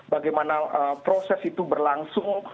bagaimana proses itu berlangsung